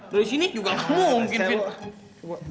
dari sini juga gak mungkin vin